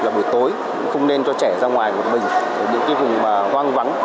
là buổi tối cũng không nên cho trẻ ra ngoài một mình ở những cái vùng mà hoang vắng